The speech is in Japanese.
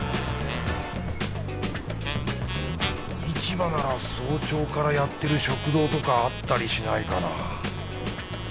市場なら早朝からやってる食堂とかあったりしないかな